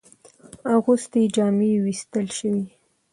اغوستي جامې ووېستل شوې.